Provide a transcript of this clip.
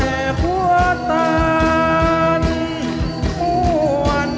กลับไปที่นี่